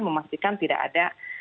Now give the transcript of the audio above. memastikan tidak ada